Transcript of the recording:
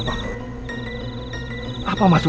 kan suara unc motor